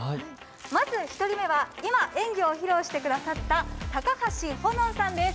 まず１人目は今、演技を披露してくださった高橋歩暖さんです。